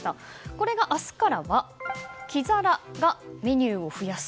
これが明日からは黄皿がメニューを増やす。